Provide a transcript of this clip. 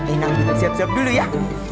inang juga siap siap dulu ya